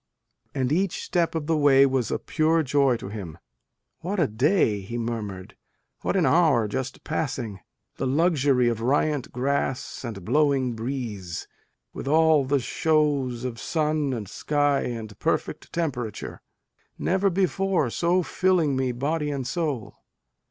And each step of the way was a pure joy to him. "What a day!" he murmured, "what an hour just passing ! the luxury of riant grass and blowing breeze, with all the shows of sun and sky and perfect temperature, never before so filling me body and soul